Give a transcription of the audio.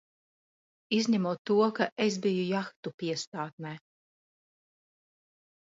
Izņemot to, ka es biju jahtu piestātnē!